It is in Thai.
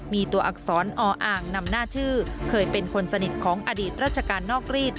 มีตัวอักษรออ่างนำหน้าชื่อเคยเป็นคนสนิทของอดีตราชการนอกรีด